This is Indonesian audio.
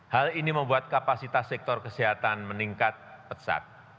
hal ini membuat kapasitas sektor kesehatan meningkat pesat